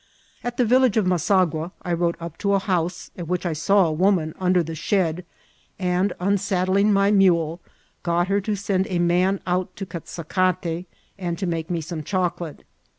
At the Tillage of Masagua I rode up to a house, at which I saw a woman under the shed, and, unsaddling my mule, got her to send a man out to cut sacate, and to make me some chocolate.